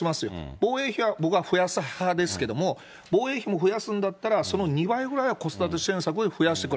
防衛費は僕は増やす派ですけど、防衛費も増やすんだったら、その２倍ぐらいは子育て支援策を増やしてほしい。